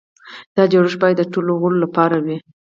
دا جوړښت باید د ټولو غړو لپاره وي.